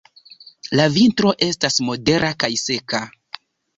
La vintro estas modera kaj seka.